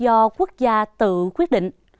đóng góp do quốc gia tự quyết định